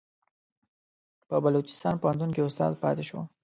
په بلوچستان پوهنتون کې استاد پاتې شو.